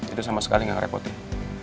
itu sama sekali gak ngerepotin